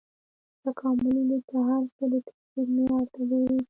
تکاملي لید د هر څه د تکثیر معیار ته ګوري.